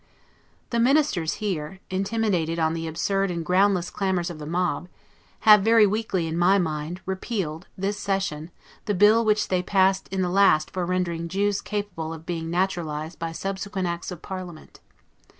The Ministers here, intimidated on the absurd and groundless clamors of the mob, have, very weakly in my mind, repealed, this session, the bill which they had passed in the last for rendering Jews capable of being naturalized by subsequent acts of parliament.